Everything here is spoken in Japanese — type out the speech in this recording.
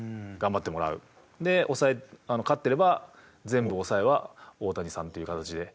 で抑え勝ってれば全部抑えは大谷さんという形で。